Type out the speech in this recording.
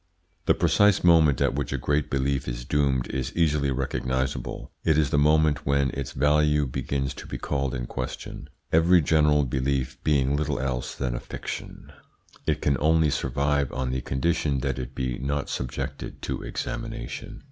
The precise moment at which a great belief is doomed is easily recognisable; it is the moment when its value begins to be called in question. Every general belief being little else than a fiction, it can only survive on the condition that it be not subjected to examination.